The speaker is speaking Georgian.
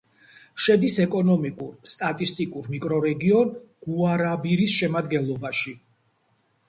შედის ეკონომიკურ-სტატისტიკურ მიკრორეგიონ გუარაბირის შემადგენლობაში.